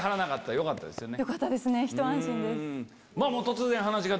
よかったですね。